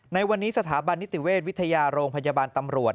ในวันนี้สถาบันนิติเวชวิทยาโรงพยาบาลตำรวจ